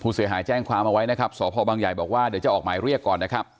เสียหายแจ้งความเอาไว้นะครับสพบังใหญ่บอกว่าเดี๋ยวจะออกหมายเรียกก่อนนะครับ